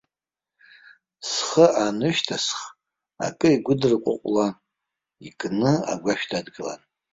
Схы анҩышьҭысх, акы игәыдырҟәыҟәла икны агәашә дылагылан.